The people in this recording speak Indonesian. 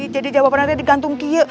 jadi jawaban nanti di gantung kia